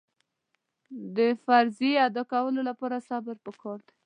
د فریضې ادا کولو لپاره صبر پکار دی.